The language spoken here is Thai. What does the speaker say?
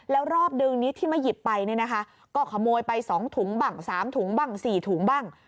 แล้วรอบดึงที่มาหยิบไปก็ขโมยไป๒ถุงบัง๓ถุงบัง๔ถุงบัง